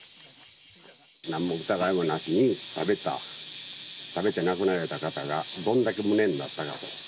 なんの疑いもなしに食べた、食べて亡くなられた方が、どんだけ無念だったかと。